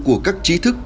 của các trí thức